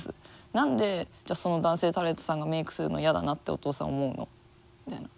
何でじゃあその男性タレントさんがメークするの嫌だなってお父さん思うのって。